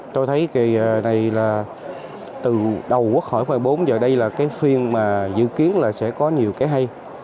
tôi thấy cái này là từ đầu quốc hội khỏi khỏi bốn giờ đây là cái phiên mà dự kiến là sẽ có nhiều cái hay